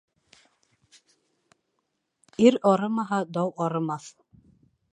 Ир арымаһа, дау арымаҫ.